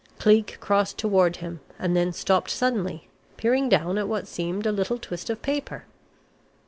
Cleek crossed toward him, and then stopped suddenly, peering down at what seemed a little twist of paper.